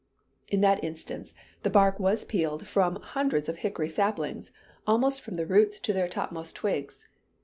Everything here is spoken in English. In that instance the bark was peeled from hundreds of hickory saplings, almost from the roots to their topmost twigs.